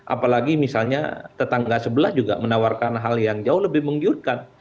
apalagi misalnya tetangga sebelah juga menawarkan hal yang jauh lebih menggiurkan